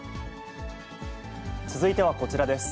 続いてはこちらです。